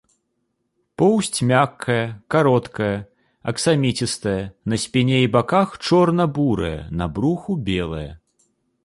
Поўсць мяккая, кароткая, аксаміцістая, на спіне і баках чорна-бурая, на бруху белая.